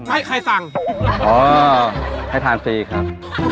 ให้ใครสั่งอ๋อให้ทานฟรีครับ